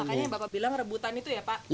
makanya yang bapak bilang rebutan itu ya pak